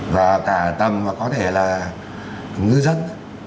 và cả ở tầm mà có thể là ngữ dân